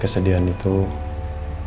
dia hanya adik kesulitan